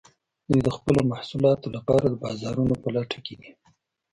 دوی د خپلو محصولاتو لپاره د بازارونو په لټه کې دي